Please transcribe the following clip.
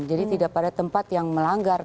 jadi tidak pada tempat yang melanggar